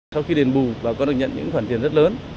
sau khi đền bù bà con được nhận những khoản tiền rất lớn